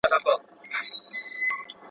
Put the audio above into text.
کومه ښځه چي عقليت خوښوونکې وي